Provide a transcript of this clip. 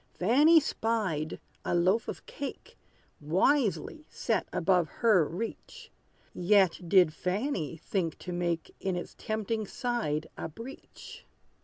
Fanny spied, a loaf of cake, Wisely set above her reach; Yet did Fanny think to make In its tempting side a breach.